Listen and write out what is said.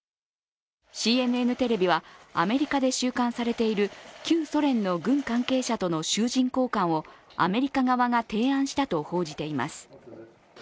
ＣＮＮテレビは、アメリカで収監されている旧ソ連の軍関係者との囚人交換をアメリカ側が提案したと報じています。